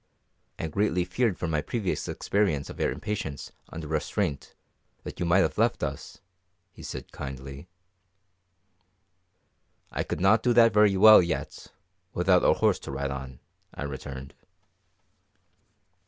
"I greatly feared from my previous experience of your impatience under restraint that you might have left us," he said kindly. "I could not do that very well yet, without a horse to ride on," I returned.